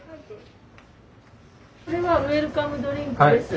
これはウェルカムドリンクです。